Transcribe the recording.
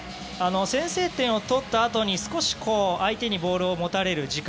先制点を取ったあとに少し相手にボールを持たれる時間。